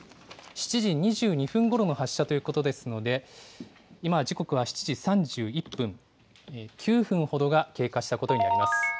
７時２２分ごろの発射ということですので、今、時刻は７時３１分、９分ほどが経過したことになります。